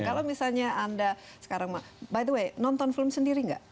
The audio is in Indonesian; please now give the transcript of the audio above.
kalau misalnya anda sekarang by the way nonton film sendiri nggak